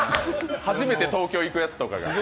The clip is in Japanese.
初めて東京に行くやつなんかが。